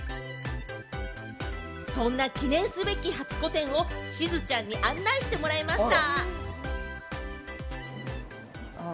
そんな記念すべき初個展をしずちゃんに案内してもらいました。